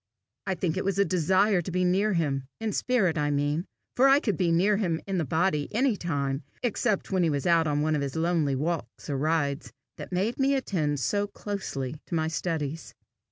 I think it was the desire to be near him in spirit, I mean, for I could be near him in the body any time except when he was out on one of his lonely walks or rides that made me attend so closely to my studies.